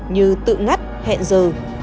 như tự ngắt hẹn giờ